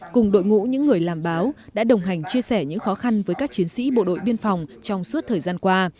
cùng đội ngũ những người làm báo đã đồng hành chia sẻ những khó khăn với các chiến sĩ bộ đội biên phòng trong suốt thời gian qua